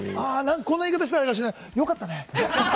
こんな言い方したらあれかもしれない、よかったね！